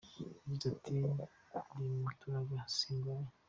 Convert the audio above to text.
Yagize ati “Ndi mutaraga si ndwaye….